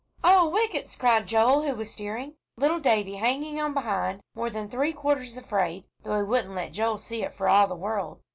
"Oh, whickets!" cried Joel, who was steering, little Davie hanging on behind, more than three quarters afraid, though he wouldn't let Joel see it for all the world.